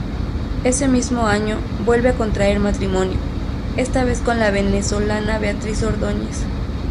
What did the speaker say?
Ese mismo año vuelve a contraer matrimonio, esta vez con la venezolana Beatriz Ordoñez.